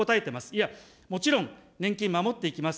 いや、もちろん、年金守っていきます。